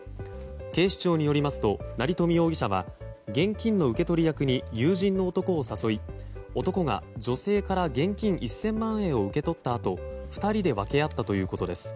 警視庁によりますと成富容疑者は現金の受け取り役に友人の男を誘い男が女性から現金１０００万円を受け取ったあと２人で分け合ったということです。